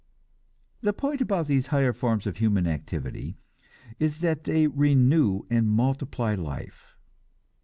The point about these higher forms of human activity is that they renew and multiply life.